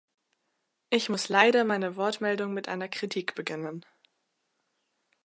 Ich muss leider meine Wortmeldung mit einer Kritik beginnen.